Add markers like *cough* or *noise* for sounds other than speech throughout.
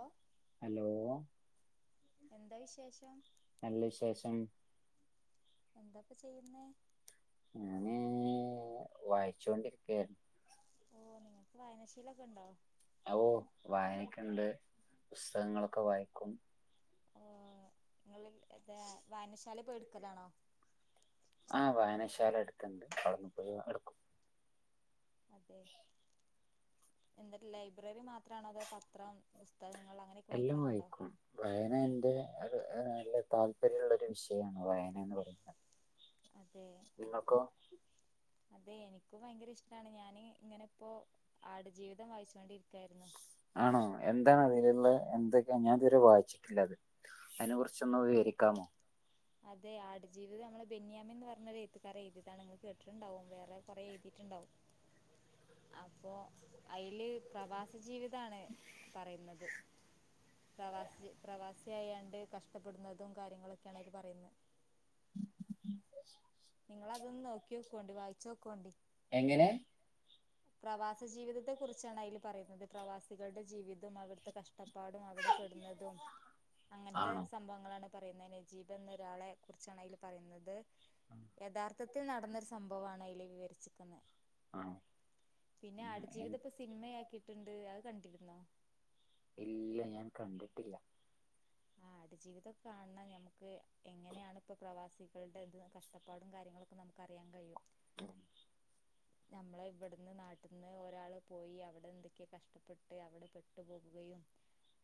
ഓ hello എന്താ വിശേഷം നല്ല വിശേഷം എന്താപ്പ ചെയ്യുന്നേ ഞാന് വായിച്ചൊണ്ടിരിക്ക്യാര്ന്നു ഓ നിങ്ങക്ക് വായനാശീലൊക്കെ ണ്ടോ ഓ വായനക്കെണ്ട് പുസ്തകങ്ങളൊക്കെ വായിക്കും ഓ ങ്ങള് ഇത് വായനശാലേ പോയിട്ക്കലാണോ ആ വായനശാല അട്ത്ത്ണ്ട് അവ്ട്ന്ന് പോയി എട്ക്കും അതെ എന്തുട്ട് ലൈബ്രറി മാത്രാണോ അതോ പത്രം പുസ്തകങ്ങള എല്ലും വായിക്കും വായന എന്റെ ഒരു നല്ല താല്പര്യള്ള ഒരു വിഷയാണ് വായനന്ന് പറയുന്നത് അതെ നിങ്ങൾക്കോ അതെ എനിക്കും ഭയങ്കര ഇഷ്ടാണ് ഞാന് ഇങ്ങനെപ്പോ ആട് ജീവിതം വായിച്ചോണ്ട് രിക്ക്യാര്ന്നു ആണോ എന്താണ് അതില്ള്ളത് എന്തൊക്കെ ഞാ ത് വരെ വായിച്ചിട്ടില്ലത് അയ്നെ കുറിച്ചൊന്ന് വിവരിക്കാമോ അതെ ആട് ജീവിതം നമ്മളെ ബെന്യാമെൻ ന്ന് പർഞ്ഞ എയ്ത്ത്കാരൻ എയ്ത്യെതാണ് ങ്ങള് കേട്ട്ട്ട്ണ്ടാവും വേറെ കൊറെേ എയ്തിറ്റ്ണ്ടാവും *inaudible* അപ്പോ അയ്ല് പ്രവാസ ജീവിതാണ് പറയുന്നത് പ്രവാസി പ്രവാസിയായാണ്ട് കഷ്ടപ്പെടുന്നതും കാര്യങ്ങളൊക്കെണ് അതില് പറയുന്നത് ഉം *unintelligible* നിങ്ങളതൊന്ന് നോക്ക്യോക്കോണ്ടി വായ്ച്ചോക്കോണ്ടി എങ്ങനെ പ്രവാസ ജീവിതത്തെ കുറിച്ചാണ് അയ്ല് പറയുന്നത് പ്രവാസികളുടെ ജീവിതം അവ്ട്ത്തെ കഷ് ട്ടപ്പാടും അവടെ പെടുന്നതും അങ്ങൻത്തെ ആണോ സംഭവങ്ങളാണ് പറയുന്നത് നജീബെന്നൊരാളെ കുറിച്ചാണയ്ല് പറയുന്നത് യഥാർത്ഥത്തിൽ നടന്നൊരു സംഭവാണ് അയ്ല് വിവരിച്ചിക്ക്‌ന്നെ ആഹ് പിന്നെ ആട് ജീവിതപ്പം സിനിമയാക്കിട്ട്ണ്ട് അത് കണ്ടിര്ന്നോ ഇല്ല ഞാൻ കണ്ടിട്ടില്ല ആട് ജീവിതൊക്കെ കാണ്ണം ഞമ്മക്ക് എങ്ങനെയാണ് ഇപ്പൊ പ്രവാസികൾ ടെ ത് കഷ് ട്ടപ്പാടും കാര്യങ്ങളൊക്കെ നമുക്കറിയാൻകഴിയും ഞമ്മളെ ഇവിട്ന്ന് നാട്ട്ന്ന് ഒരാള് പോയി അവടെ എന്തൊക്കെ കഷ്ടപ്പെട്ട് അവടെ പെട്ടു പോകുകയും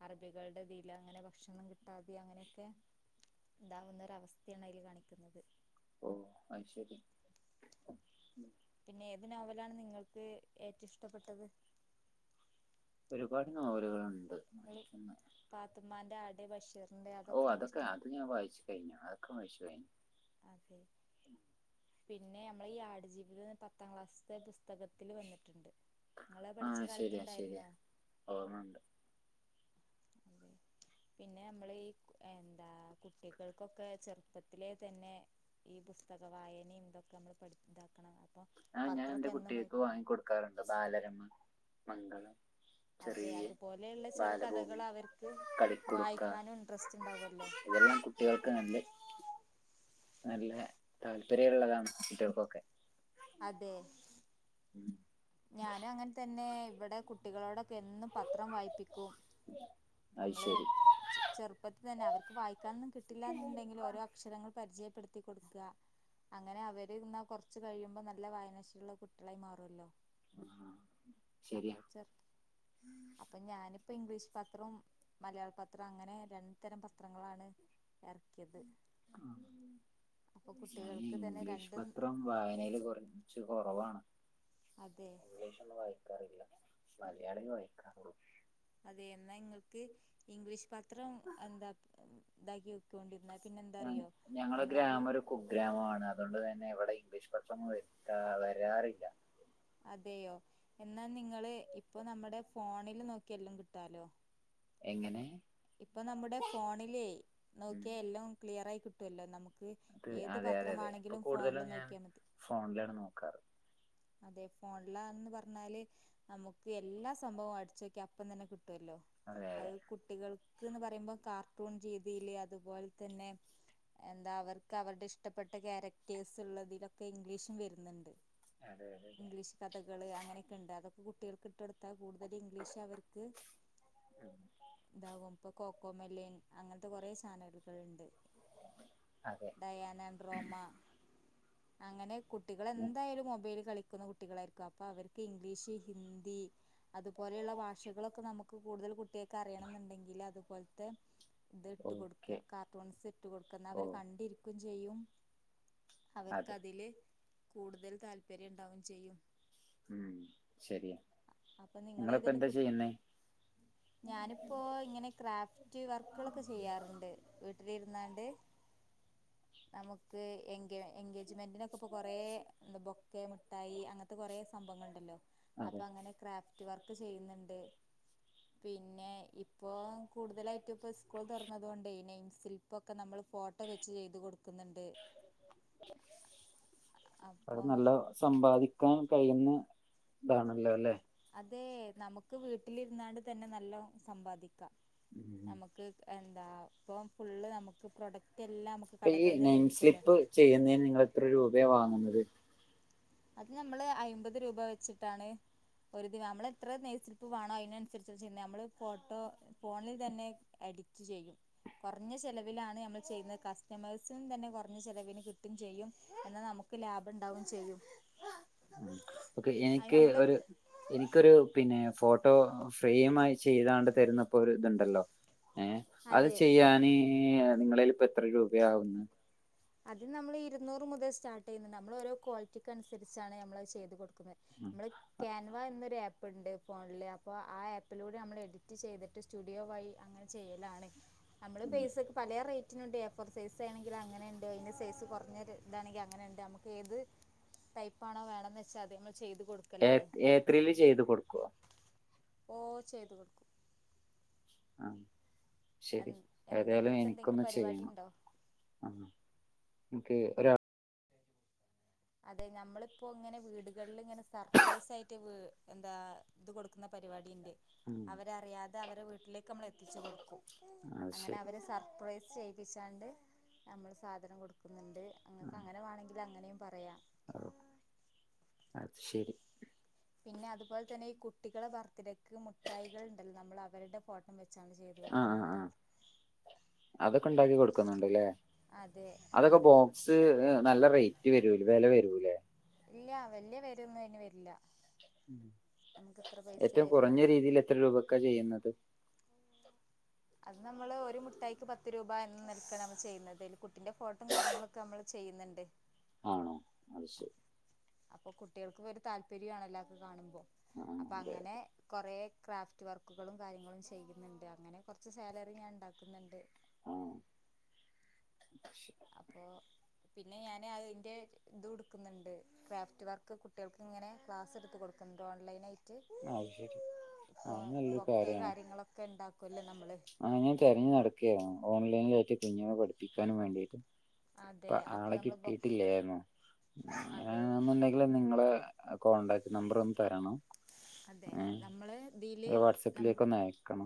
അറബികളുടെതില് അങ്ങനെ ഭക്ഷണം കിട്ടാതിം അങ്ങനൊക്കെ ഇതാവുന്നൊരവസ്ഥയാണ് അയ്ല് കാണിക്കുന്നത് ഓ അത് ശെരി പിന്നെ ഏത് നോവലാണ് നിങ്ങൾക്ക് ഏറ്റവും ഇഷ്ടപ്പെട്ടത് ഒരുപാട് നോവലുകളുണ്ട് ങ്ങള് വായിക്കുന്ന പാത്ത്മ്മാന്റെ ആട് ബഷീറിന്റെ ഓ അതൊക്കെ ങ്ങക്ക് ഇഷ്ടാണോ അത് ഞാൻ വായിച്ചു കഴിഞ്ഞു അതൊക്കെ *unintelligible* അതെ പിന്നെ നമ്മള ഈ ആടുജീവിത പത്താം ക്ലാസ്ത്തെ പുസ്തക ത്തിൽ വന്നിട്ടുണ്ട് നിങ്ങളെ പഠിച്ച കാലത്ത്ണ്ടായിരുന്നോ ഓന്നണ്ട് അതെ പിന്നെ നമ്മൾ ഈ എന്താ കുട്ടികൾക്കൊക്കെ ചെറുപ്പത്തിലെ തന്നെ ഈ പുസ്തക വായനയും ഇതൊക്കെ നമ്മൾ പഠി ഇതാക്കണം അപ്പൊ ആഹ് ഞാൻ പത്രൊക്കെ എൻ്റെ എന്നും വായി കുട്ടികക്ക് വാങ്ങി ക്കൊടുക്കാറുണ്ട് ബാലരമ മംഗളം അതെ ചെറിയ അതുപോലെയുള്ള ചെറു ബാലഭൂമി കഥകൾ അവർക്ക് കളിക്കുടുക്ക വായിക്കാനും ഇൻട്രസ്റ്റ് ഉണ്ടാവുല്ലോ ഇതെല്ലാം കുട്ടികൾക്ക് നല്ലേ നല്ല താല്പര്യള്ളതാണ് കുട്ടിയാൾക്കൊക്കെ അതെ *inaudible* ഞാനും അങ്ങൻ തന്നെ ഇവിടെ കുട്ടികളോടൊക്കെ എന്നും പത്രം വായിപ്പിക്കും അത് നമ്മള് ശരി ചെർ ഇപ്പത്ത തന്നെ അവർക്ക് വായിക്കാനൊന്നും കിട്ടില്ല എന്നുണ്ടെങ്കിലു ഓരോ അക്ഷരങ്ങൾ പരിചയപ്പെടുത്തി കൊടുക്ക അങ്ങനെ അവര് എന്നാ കൊർച്ച കഴിയുമ്പോ നല്ല വായനാശീലള്ള കുട്ടികളായി മാറുല്ലോ ആ, ശരിയാ അപ്പോ ചെർ അപ്പൊ ഞാനിപ്പോ ഇംഗ്ലീഷ് പത്രവും, മലയാള പത്രം അങ്ങനെ രണ്ടു തരം പത്രങ്ങളാണ് എറക്കിയത് ഞൻ കുട്ടികൾക്ക് തന്നെ ഇംഗ്ലീഷ് രണ്ടും പത്രം വായനയില് കൊർച്ച് കൊറവാണ്. അതെ ഇംഗ്ലീഷൊന്നും വായിക്കാറില്ല. മലയാളെ വായിക്കാറൊള്ളൂ അതെന്നാ നിങ്ങൾക്ക് ഇംഗ്ലീഷ് പാത്രം എന്താ ഇതാക്കി ക്കോണ്ടി ഇന്നാ പിന്നെ എന്താറിയോ നമ്മളയില് കുഗ്രാമാണ് അതുകൊണ്ട് തന്നെ ഇവിടെ ഇംഗ്ലീഷ് പത്രം വരുത്താ വരാറില്ല. അതെയോ? എന്നാൽ നിങ്ങള് ഇപ്പൊ നമ്മുടെ ഫോണിൽ നോക്കിയെല്ലാം കിട്ടാലോ എങ്ങനെ? ഇപ്പൊ നമ്മുടെ ഫോണിലേ ഉം നോക്കിയാ എല്ലാം ക്ലിയറായി കിട്ടുവല്ലോ, നമുക്ക് അത് ഏത് അതെ അതെ പത്രം അതെ ഇപ്പൊ വാണെങ്കിലും കൂടുതലും ഫോണില് ഞാൻ നോക്കിയാൽ മതി. ഫോണിലാണ് നോക്കാറ് അതെ ഫോണിലാന്ന് പറഞ്ഞാല് നമുക്ക് എല്ലാ സംഭവവും അടിച്ച് നോക്കിയാൻ അപ്പതന്നെ കിട്ടുവല്ലോ? അതെ അത് അതെ കുട്ടികൾ ക്ക് പറയുമ്പോം കാർട്ടൂൺ രീതിയില് അതുപോലെ തന്നെ എന്താ അവർക്ക് അവരുടെ ഇഷ്ടപ്പെട്ട ക്യാരക്ടേഴ്സ് ഉള്ളതിലൊക്കെ ഇംഗ്ലീഷും വരുന്നുണ്ട്. അതെ അതെ ഇംഗ്ലീഷ് കഥകള്, അങ്ങനെയൊക്കെ ഉണ്ട്. അതൊക്കെ കുട്ടികൾക്ക് ഇട്ട് കൊടുത്താൽ കൂടുതലും ഇംഗ്ലീഷ് അവർക്ക് ഇതാകും ഇപ്പൊ കോക്കോ മെലിൻ അങ്ങൻത്തെ കൊറേ ചാനലുകൾ ഉണ്ട്. *inaudible* അതെ ദയാനാ ഡ്രോമ അങ്ങനെ കുട്ടികൾ എന്തായാലും മൊബൈല് കളി ക്കുന്ന കുട്ടികളായിരിക്കും. അപ്പൊ അവർക്ക് ഇംഗ്ലീഷ്, ഹിന്ദി അതുപോലെയുള്ള ഭാഷകളൊക്കെ നമുക്ക് കൂടുതൽ കുട്ടിയാക്ക് അറിയണം എന്നുണ്ടെങ്കില്, അതുപോൽത്തെ ഇത് ഇട്ട് കൊടുക്ക. ഓക്കെ കാർട്ടൂൺസ് ഇട്ടു കൊടുക്ക ന്ന ഓ അവര് കണ്ടിരിക്കും ചെയ്യും. അവർക്ക് അതെ അതില് കൂടുതൽ താല്പര്യം ഉണ്ടാവും ചെയ്യും. ഉം ശരിയാ അപ്പൊ നിങ്ങള് നിങ്ങളിപ്പോ ഏതേലും എന്താ കു ചെയ്യുന്നേ ഞാനിപ്പോ ഇങ്ങനെ ക്രാഫ്റ്റ് റ്റ് വർക്കുകളൊക്കെ ചെയ്യാറുണ്ട്. വീട്ടിലിരുന്നാണ്ട് നമുക്ക് എങ്കേ എങ്കേജ്മെന്റിന് ഇപ്പ കൊറെ ബൊക്കെ മുഠായി അങ്ങൻത്തെ കൊറേ സംഭവങ്ങൾ ഉണ്ടല്ലോ അപ്പൊ അതെ അങ്ങനെ ക്രാഫ്റ്റ് വർക്ക് ചെയ്യുന്നുണ്ട്. പിന്നെ ഇപ്പോ കൂടുതലായ്റ്റും ഇപ്പൊ സ്കൂൾ തുറന്നത് കൊണ്ടെയ് നെയിം സില്പ്പ്പ് ഒക്കെ നമ്മൾ ഫോട്ടോ വെച്ച് ചെയ്തു കൊടുക്കും. ക്കുന്നുണ്ട് അത് അപ്പം. നല്ല സമ്പാദിക്കാൻ കഴിയുന്ന ഇതാണല്ലോ അല്ലേ?. അതേ നമുക്ക് വീട്ടിലിരുന്നാണ്ട് തന്നെ നല്ലോം സമ്പാദിക്കാം ഉം നമുക്ക് എന്താ ഇപ്പം ഫുള്ള് നമുക്ക് പ്രൊഡക്റ്റ് എല്ലാം നമുക് ഈ നൈൻ സ്ലിപ്പ് ചെയ്യുന്നതിന് നിങ്ങള് എത്ര രൂപയാ വാങ്ങുന്നത്. അത് നമ്മള് അയ്മ്പത് രൂപ വെച്ച്ട്ടാണ്. ഒരു ദിവ നമ്മള് എത്ര നയ്സ്ലിപ്പ് വാണോ അയ്നൻസരിച്ച് ചെയ്യുന്നേ നമ്മള് ഫോട്ടോ ഫോണിൽ തന്നെ എഡിക്റ്റ് ചെയ്യും. കൊർഞ്ഞ ചെലവിലാണ് നമ്മൾ ചെയ്യുന്നത്. കസ്റ്റമേഴ്സ്നും തന്നെ കൊർഞ്ഞ ചെലവിന് കിട്ടും ചെയ്യും. എന്നാ നമുക്ക് നമുക്ക് ലാഭം ഉണ്ടാവും ചെയ്യും. ഓക്കെ അത് എനിക്ക് നമ്മള് ഒരു എനിക്കൊരു പിന്നെ ഫോട്ടോ ഫ്രെയിം ആയി ചെയ്താണ്ട് തരുന്നപ്പ ഒരു തുണ്ടല്ലോ ഏ അത് അതെ ചെയ്യാന് നിങ്ങളേല് ഇപ്പ എത്ര രൂപയാവും. അത് നമ്മൾ ഇരുന്നുറ് മുതൽ സ്റ്റാർട്ടെയ്യുന്നുണ്ട് നമ്മള് ഓരോ ക്വാളിറ്റിക്ക് അനുസരിച്ചാണ് നമ്മത് ചെയ്ത് കൊട്ക നമ്മള് ക്യാൻവ എന്നൊരു ആപ്പ് ഉണ്ട് ഫോണില് അപ്പോ ആ ആപ്പിലൂടെ നമ്മൾ എഡിറ്റ് ചെയ്തിട്ട് സ്റ്റുഡിയോ വഴി അങ്ങനെ ചെയ്യലാണ് നമ്മള് പൈസക് പലേ റേറ്റിനുണ്ട് എഫോർ സൈസ് ചെയ്യണെങ്കില് അങ്ങനെണ്ട് അതിന്റെ സൈസ് കൊർഞ്ഞൊര് താണെങ്കി അങ്ങനെണ്ട് അമ്മക്ക് ഏത് ടൈപ്പാണോ വേണംന്ന് വെച്ചാൽ അത് ഞ്ഞമ്മൾ ചെയ്ത് കൊടുക്കും. ഏ ഏത്രീയില് ചെയ്ത് കൊടുക്കുവോ. ഓ ചെയ്തു കൊടുക്കും ആ ശരി എന്ത് ഏതായാലും നിങ്ങൾക്ക് എന്തെങ്കിലും എനിക്കൊന്ന് പരിപാടി ചെയ്യണം. ഉണ്ടോ ആ ഇൻക് ഒരാൾ അതെ ഞമ്മളിപ്പോ ഇങ്ങനെ വീടുകൾല് ഇങ്ങനെ സർപ്രൈസ് ആയിറ്റ് വ് എന്താ ഇത് കൊടുക്കുന്ന പരിവാടി ഇന്റെ ഉം അവരറിയാതെ അവരെ വീട്ടിലേക്ക് നമ്മള് എത്തിച്ച് കൊടുക്കും അത് അങ്ങനെ ശരി അവര് സർപ്രൈസ് ചെയ് പ്പിച്ചാണ്ട് നമ്മള് സാധനം കൊടുക്കുന്നുണ്ട് അങ്ങക്ക് അങ്ങനെ വാണങ്കില് അങ്ങനെയും പറയാം അത് അത് ശരി പിന്നെ അതുപോലെ തന്നെ ഈ കുട്ടികളെ ബർത്ത്ഡേക്ക് മുട്ടായികൾ ഉണ്ടല്ലോ നമ്മൾ അവരുടെ ഫോട്ടം വെച്ചാണ് ചെയ് ചെയ്ത് ആ ആ ആ കൊടുക്കുന്നുണ്ട് അതൊക്കെ ണ്ടാക്കി കൊടുക്കുന്നുണ്ട്ലേ അതെ അതൊക്കെ അങ്ങനെ ബോക്സ് ഇത് നല്ല റെയ്റ്റ് വരൂലെ വെല വരൂലേ ഇല്ല്യാ വല്യ വെലൊന്നും അയ്ന് വര്ല്ല. ഉം ഏറ്റവും കുറഞ്ഞ വരുന്നുള്ളൂ രീതിയിൽ എത്ര രൂപക്കാ ചെയ്യുന്നത്. അത് നമ്മള് ഒരു മുഠായിക്ക് പത്ത് രൂപ എന്ന നിലക്കാണ് നമ്മള് ചെയ്യുന്നത് അതില് കുട്ടിന്റെ ഫോട്ടും കാര്യങ്ങളൊക്കെ നമ്മള് ചെയ്യുന്നുണ്ട് ആണോ അത് ശരി. അപ്പൊ കുട്ടികൾക്ക് ഒരു താല്പര്യ ആണല്ലോ ഒക്കെ കാണുമ്പോ ആ അപ്പൊ അതെ അങ്ങനെ കൊറേ ക്രാഫ്റ്റ് വർക്കുകളും കാര്യങ്ങളും ചെയ്യുന്നുണ്ട് അങ്ങനെ കൊർച്ച് സാലറി ഞാൻ ണ്ടാക്കുന്നുണ്ട് ആഹ് അപ്പൊ പിന്നെ ഞാന് അതിന്റെ ഇതും ഇട്ക്കുന്നുണ്ട് ക്രാഫ്റ്റ് വർക്ക് കുട്ട്യേൾക്ക് ഇങ്ങനെ ക്ലാസ് ഇട്ത്ത് കൊടുക്കുന്നുണ്ട് ഓൺലൈനായി ട്ട് അത് ശരി ഇപ്പോ അത് നല്ലൊരു ബൊക്കെ കാര്യങ്ങളൊക്കെ ഇണ്ടാക്കല്ലോ നമ്മള് അത് ഞാന് തെരഞ്ഞ് നടക്കായിരുന്നു ഓൺലൈനായിട്ട് കുഞ്ഞിനെ പഠിപ്പിക്കാനും വേണ്ടീട്ട് അതെ അപ്പൊ ആളെ നമ്മള് ബൊ കിട്ടിട്ടില്ലായിരുന്നു അതെ അങ്ങനാണെന്ന്ണ്ടെ ങ്കില് നിങ്ങളെ കോൺടാക്ട് നമ്പർ ഒന്ന് തരണം. അതെ നമ്മള് ഇതില് ഏഹ് നം വാട്സപ്പിലേക്ക് ഒന്ന് അയക്കണം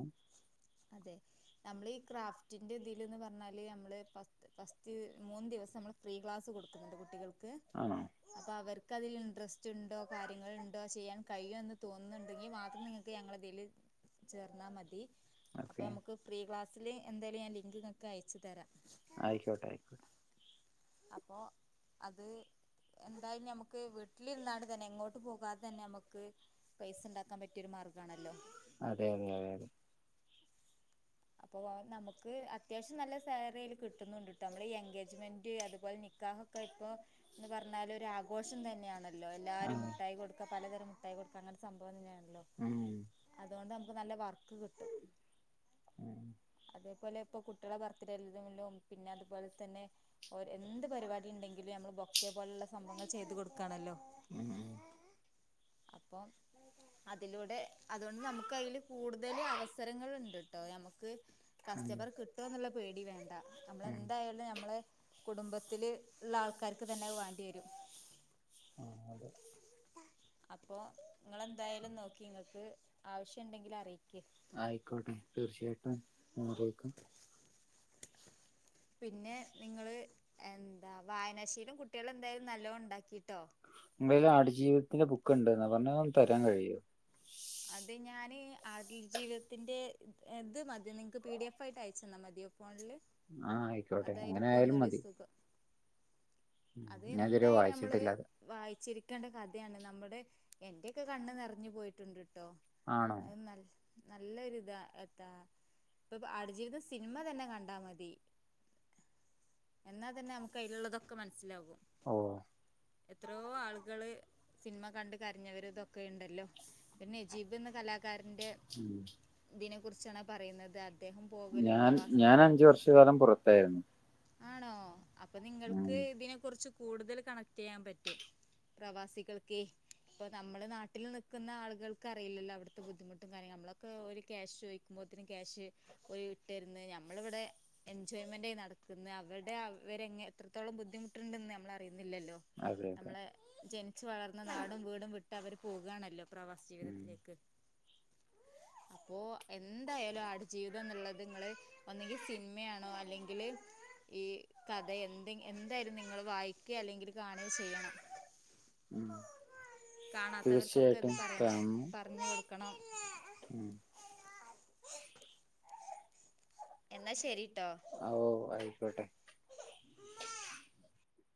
അതെ നമ്മള് ഈ ക്രാഫ്റ്റിന്റെ ഇതില്ന്ന് പറഞ്ഞാല് നമ്മള് ഫസ് ഫസ്റ്റ് മൂന്ന് ദിവസം നമ്മൾ ഫ്രീ ക്ലാസ്സ് കൊടുക്കുന്നുണ്ട് കുട്ടികൾക്ക് ആണോ അപ്പൊ അവർക്ക് അതിൽ ഇൻട്രസ്റ്റ്ണ്ടോ കാര്യങ്ങള്ണ്ടോ ചെയ്യാൻ കഴിയൊ എന്ന് തോന്നുന്ന്ണ്ടെങ്കി മാത്രം നിങ്ങ ക്ക് ഞങ്ങളെ ഇതില് ചേർന്നാ മതി അപ്പൊ ഓക്കെ നമുക്ക് ഫ്രീ ക്ലാസ്സില് എന്തായാലും ഞാൻ ലിങ്ക്ങ്ങക്ക് അയച്ച് തരാം ആയിക്കോട്ടെ അപ്പോ അത് എന്തായാലും നമുക്ക് വീട്ടിലിര്ന്നാണ്ട് തന്നെ എങ്ങോട്ട് പോകാ തെ തന്നെ നമക്ക് പൈസ ഇണ്ടാക്കാൻ പറ്റിയ ഒരു മാർഗാണല്ലോ അതെ അതെ അതെ അതെ അപ്പൊ വാ നമുക്ക് അത്യാവശ്യം നല്ല സാലറി അതിൽ കിട്ടുന്നുണ്ട്ട്ടോ നമ്മള് ഈ എൻഗേജ്മെന്റ് അതുപോലെ നിക്കാഹ് ഒക്കെ ഇപ്പൊ എന്ന് പറഞ്ഞാല് ഒരാഘോഷം തന്നെയാണല്ലോ എല്ലാരും അതെ മുട്ടായി കൊട് ഒക്കെ പലതരം മുട്ടായി കൊടുക്ക അങ്ങനെ സംഭവം തന്നെയാണല്ലോ ഉം അതോണ്ട് നമുക്ക് നല്ല വർക്ക് കിട്ടും ഉം അതേപോലെ ഇപ്പൊ കുട്ട്യേളെ ബർത്ത്ഡേലേല്ലും പിന്നെ അതുപോലെ തന്നെ ഓര് എന്ത് പരിപാടി ഇണ്ടെങ്കിലും നമ്മള് ബൊക്കെ പോലെള്ള സംഭവങ്ങള് ചെയ്തു കൊട്ക്കാണല്ലോ ഉം ഉം അപ്പം അതിലൂടെ അതുകൊണ്ട് നമുക്ക് അതില് കൂടുതൽ അവസരങ്ങള്ണ്ട് ട്ടോ ഞമ്മക്ക് ഉം കസ്റ്റമറേ കിട്ടോന്ന്ള്ള പേടി വേണ്ട നമ്മളെ ഉം എന്തായാലും നമ്മളെ കുടുംബത്തില്ള്ള ആൾക്കാര്ക്ക് തന്നെ അത് വാണ്ടി വരും ഉം ആഹ് അതെ *inaudible* അപ്പൊ ഇങ്ങള് എന്തായാലും നോക്കി ഇങ്ങക്ക് ആവശ്യംണ്ടെങ്കി അറീക്കി ആയിക്കോട്ടെ തീർച്ചയായിട്ടും അറീക്കാം പിന്നെ നിങ്ങള് എന്താ വായനാ ശീലം കുട്ട്യേളെ എന്തായാലും നല്ലോം ഇണ്ടാക്കിട്ടോ നിങ്ങളേല് ആട് ജീവിതത്തിന്റെ ബുക്ക്ണ്ട്ന്നാ പറഞ്ഞെ അതോന്ന് തരാൻ കഴിയോ അത് ഞാന് ആട്ൽ ജീവിതത്തിന്റെ ഇത് മതിയൊ നിങ്ങക്ക് പി ഡി എഫ് ആയിട്ട് അയച്ച് തന്നാ മതിയോ ഫോണില് ആഹ് ആയിക്കോട്ടെ അതായിരിക്കും അങ്ങനായാലും ഒന്നുകൂടി മതി സുഖം ഉം, അത് ഞാൻ ഇതുവരെ എന്തായാലും നമ്മള് വായിച്ചിട്ടില്ലത് വായിച്ചിരിക്കേണ്ട കഥയാണ് നമ്മടെ എന്റെയൊക്കെ കണ്ണ് നെറഞ്ഞു പോയിട്ടുണ്ട് ട്ടോ ആണോ അത് നല്ലൊരു ഇതാ എത്താ ഇപ്പൊ ആട്ജീവിതം സിനിമ തന്നെ കണ്ടാ മതി എന്നാ തന്നെ നമുക്ക് അയില്ള്ളതൊക്കെ മനസ്സിലാകും ഓഹ് എത്രയോ ആളുകള് സിനിമ കണ്ട് കരഞ്ഞവര് ഇതൊക്കെ ഉണ്ടല്ലോ പിന്നെ നജീബ് എന്ന കലാകാരന്റെ ഉം ഇതിനെ കുറിച്ചാണ് പറയുന്നത് അദ്ദേഹം പോകലും ഞാൻ പ്രവാസ ഞാൻ അഞ്ച് വർഷ കാലം പുറത്തായിരുന്നു ആണോ അപ്പൊ ഉം നിങ്ങൾക്ക് ഇതിനെ കുറിച്ച് കൂടുതൽ കണക്ട് ചെയ്യാൻ പറ്റും പ്രവാസികൾക്കേ ഇപ്പൊ നമ്മള് നാട്ടിൽ നിൽക്കുന്ന ആളുകൾക്കറിയില്ലല്ലോ അവിടുത്തെ ബുദ്ധിമുട്ടും കാര്യങ്ങളും നമ്മളൊക്കെ ഒരു ക്യാഷ് ചോയി *unintelligible* ക്യാഷ് പോയി ഇട്ട് തരുന്ന് നമ്മള് ഇവിടെ എൻജോയ്മെന്റ് നട അവരുടെ അവരെങ്ങെ എത്രത്തോളം ബുദ്ധിമുട്ടുണ്ടെന്ന് നമ്മൾ അറിയുന്നില്ലല്ലോ അതെ അതെ നമ്മളെ ജനിച്ചു വളർന്ന നാടും വീടും വിട്ട് അവര് പോവുകയാണല്ലോ പ്രവാസ ഉം ജീവിതത്തിലേക്ക് *inaudible* അപ്പോ എന്തായാലും ആടു ജീവിതം എന്നുള്ളത് നിങ്ങള് ഒന്നെങ്കിൽ സിനിമയാണോ അല്ലെങ്കില് ഈ കഥ എന്ത എന്തായാലും നിങ്ങൾ വായിക്ക അല്ലെങ്കിൽ കാണുകയൊ ചെയ്യണം ഉം കാണാത്തവർക്കൊക്കെ ഇത് തീർച്ചയായിട്ടും പറയണം കാണണം പറഞ്ഞു കൊടുക്കണം ഉം എന്നാ ശരിട്ടോ ആഹ് ഓ ആയിക്കോട്ടെ